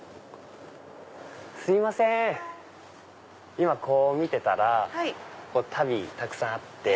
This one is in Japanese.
今見てたら足袋たくさんあって。